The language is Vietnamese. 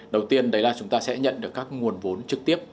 đầu tiên đấy là chúng ta sẽ nhận được các nguồn vốn trực tiếp